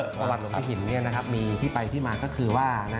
ประวัติหลวงพระหินมีที่ไปที่มาก็คือว่า